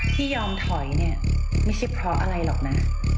ที่ยอมถอยเนี่ยไม่ใช่เพราะอะไรหรอกนะ